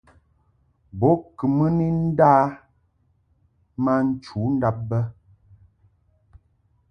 Bo kɨ mɨ ni nda ma nchudab bə.